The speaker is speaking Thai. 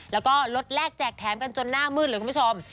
แล้วก็รถแรกแจกแถมกันจนหน้ามืดเลยคุณผู้ชม